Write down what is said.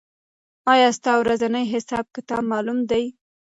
آیا ستا ورځنی حساب کتاب معلوم دی؟